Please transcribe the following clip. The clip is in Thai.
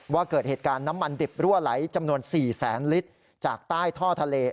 ว่าเกิดเหตุการณ์น้ำมันดิบรั่วไหลจำนวน๔แสนลิตร